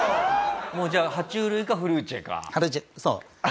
もうじゃあ爬虫類かフルーチェか？